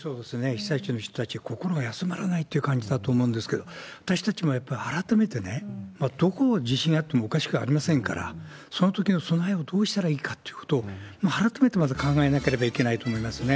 被災地の人たち、心が休まらないという感じだと思うんですけど、私たちもやっぱり改めてね、どこで地震があってもおかしくありませんから、そのときの備えをどうしたらいいかということを、改めてまた考えなければいけないと思いますね。